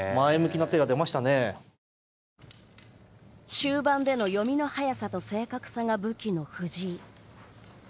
終盤での読みの早さと正確さが武器の藤井。